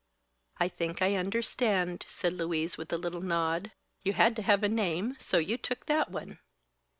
"I think I understand," said Louise, with a little nod. "You had to have a name, so you took that one."